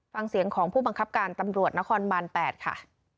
ฟังเสียงของผู้บังคับการตำรวจนครบาน๘ค่ะ